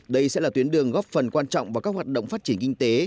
đây sẽ là tuyến đường góp phần quan trọng vào các hoạt động phát triển kinh tế